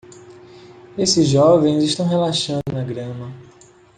Esses jovens estão relaxando na grama.